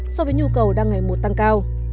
so với nhu cầu đang ngày mùa tăng cao